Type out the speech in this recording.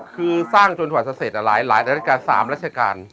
คือสร้างจนถวัดเสร็จหลายราชการสามราชการ